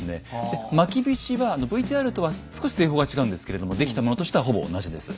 でまきびしはＶＴＲとは少し製法が違うんですけれども出来たものとしてはほぼ同じです。